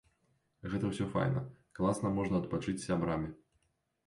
Гэта ўсё файна, класна можна адпачыць з сябрамі.